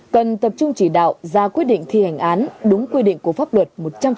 cần tập trung chỉ đạo ra quyết định thi hành án đúng quy định của pháp luật một trăm linh